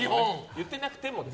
言ってなくてもです。